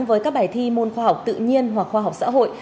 với các bài thi môn khoa học tự nhiên hoặc khoa học xã hội